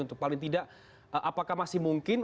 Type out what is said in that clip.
untuk paling tidak apakah masih mungkin